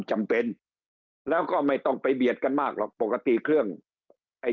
จำเป็นแล้วก็ไม่ต้องไปเบียดกันมากหรอกปกติเครื่องไอ้